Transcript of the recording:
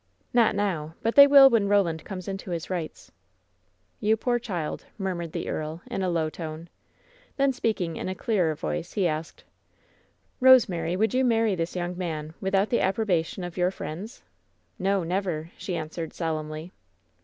"Not now; but they will when Roland comes into his rights." "You poor child!" murmured the earl, in a low tone. Then, speaking in a clearer voice, he asked : "Rosemary, would you marry this young man without the approbation of your friends ?" "No, never," she answered, solemnly.